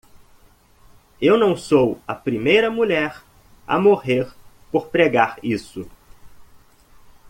Eu não sou a primeira mulher a morrer por pregar isso.